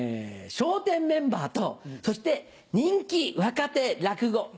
笑点メンバーとそして「人気若手落語」。